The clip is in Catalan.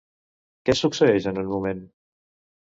Què succeeix en un moment?